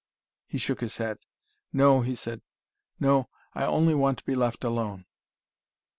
He shook his head. "No," he said. "No. I only want to be left alone."